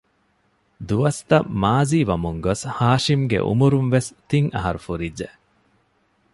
ދުވަސްތައް މާޒީވަމުންގޮސް ހާޝިމްގެ އުމުރުންވެސް ތިން އަހަރު ފުރިއްޖެ